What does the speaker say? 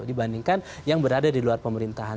dibandingkan yang berada di luar pemerintahan